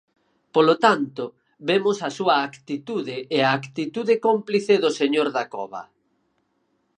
Polo tanto, vemos a súa actitude e a actitude cómplice do señor Dacova.